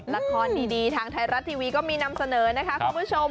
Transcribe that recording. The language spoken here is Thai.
ละครดีทางไทยรัฐทีวีก็มีนำเสนอนะคะคุณผู้ชม